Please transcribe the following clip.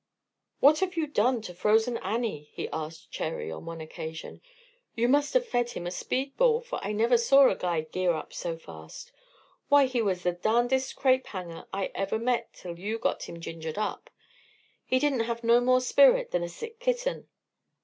"What have you done to 'Frozen Annie'?" he asked Cherry on one occasion. "You must have fed him a speed ball, for I never saw a guy gear up so fast. Why, he was the darndest crape hanger I ever met till you got him gingered up; he didn't have no more spirit than a sick kitten.